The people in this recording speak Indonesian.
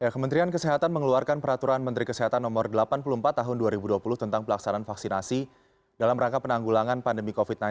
kementerian kesehatan mengeluarkan peraturan menteri kesehatan no delapan puluh empat tahun dua ribu dua puluh tentang pelaksanaan vaksinasi dalam rangka penanggulangan pandemi covid sembilan belas